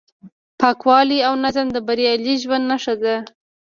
پاکوالی او نظم د بریالي ژوند نښه ده.